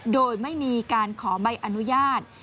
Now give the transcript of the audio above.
โดยไม่มีการขอใบอนุญาต